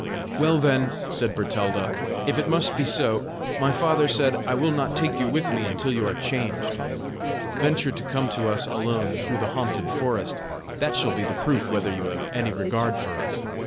"Well, then," said Bertalda, "if it must be so, my father said, 'I will not take you with me until you are changed. Venture to come to us alone through the haunted forest; that shall be the proof whether you have any regard for us.